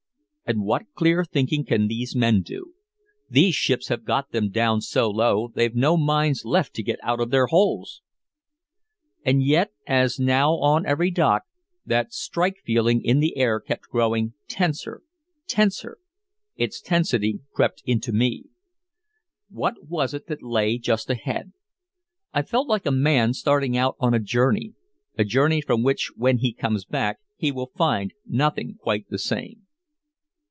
And what clear thinking can these men do? The ships have got them down so low they've no minds left to get out of their holes!" And yet as now on every dock, that "strike feeling" in the air kept growing tenser, tenser its tensity crept into me. What was it that lay just ahead? I felt like a man starting out on a journey a journey from which when he comes back he will find nothing quite the same.